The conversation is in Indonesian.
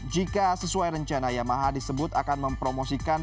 jika sesuai rencana yamaha disebut akan mempromosikan